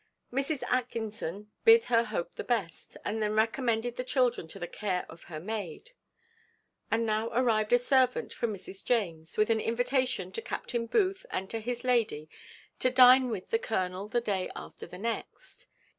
Mrs. Atkinson bid her hope the best, and then recommended the children to the care of her maid. And now arrived a servant from Mrs. James, with an invitation to Captain Booth and to his lady to dine with the colonel the day after the next.